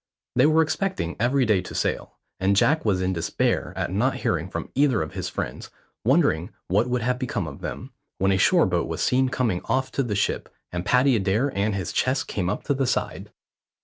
They were expecting every day to sail, and Jack was in despair at not hearing from either of his friends, wondering what would have become of them, when a shore boat was seen coming off to the ship, and Paddy Adair and his chest came up the side.